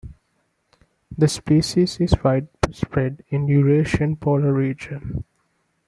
The species is widespread in the Eurasian polar region.